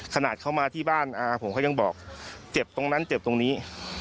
ขนาดเขามาที่บ้านอาผมเขายังบอกเจ็บตรงนั้นเจ็บตรงนี้